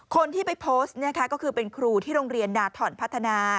คนที่ไปโพสต์ก็คือเป็นครูที่โรงเรียนนาถอนพัฒนา